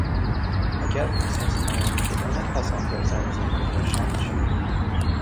اگر پس از تمام شدن پس اندازم زنده باشم چی؟